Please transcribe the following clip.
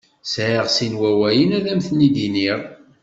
Sεiɣ sin wawalen ad m-ten-id-iniɣ.